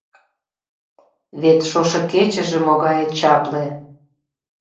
Вет шошо кечыже могае чапле: